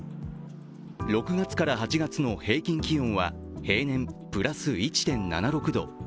６月から８月の平均気温は、平年プラス１．７６度。